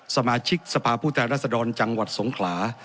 สมาชิกสภาพผู้แทนรัศดรจังหวัดสงขลา